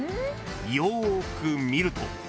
［よく見ると］